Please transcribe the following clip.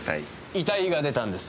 遺体が出たんです